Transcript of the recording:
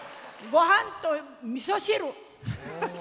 ごはんとみそ汁！